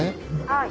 はい。